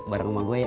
bareng sama gue ya